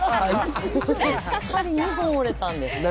２本折れたんです。